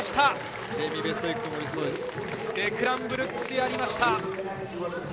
デクラン・ブルックスやりました。